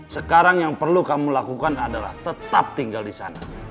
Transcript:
sekarang yang perlu kamu lakukan adalah tetap tinggal di sana